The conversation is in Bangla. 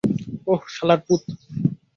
ওহ, শালারপুত!